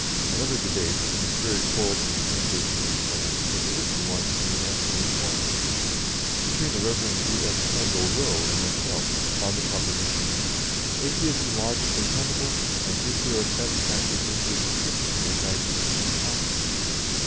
Another debate in this very quarrelsome spring of 1887 was a written one in the National Reformer between the Rev. G.F. Handel Rowe and myself on the proposition, "Is Atheism logically tenable, and is there a satisfactory Atheistic System for the guidance of Human Conduct."